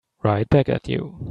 Right back at you.